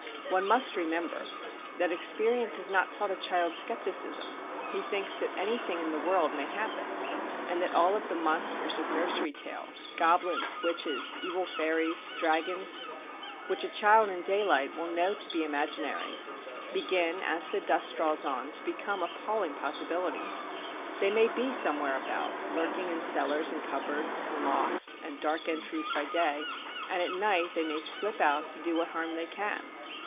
One must remember that experience has not taught a child scepticism; he thinks that anything in the world may happen; and all the monsters of nursery tales, goblins, witches, evil fairies, dragons, which a child in daylight will know to be imaginary, begin, as the dusk draws on, to become appalling possibilities. They may be somewhere about, lurking in cellars and cupboards and lofts and dark entries by day, and at night they may slip out to do what harm they can.